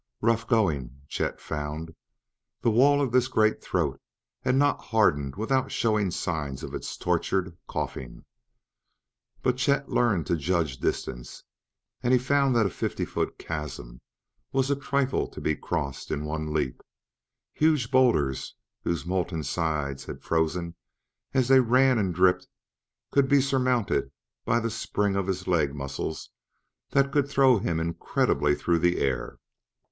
Rough going, Chet found; the wall of this great throat had not hardened without showing signs of its tortured coughing. But Chet learned to judge distance, and he found that a fifty foot chasm was a trifle to be crossed in one leap; huge boulders, whose molten sides had frozen as they ran and dripped, could be surmounted by the spring of his leg muscles that could throw him incredibly through the air.